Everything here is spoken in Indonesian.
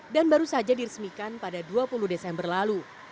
baru saja diresmikan pada dua puluh desember lalu